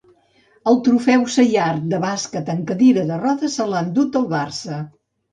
El Trofeu Seyart de bàsquet en cadira de rodes se l'ha endut el Barça.